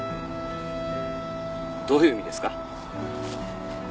どういう意味ですか？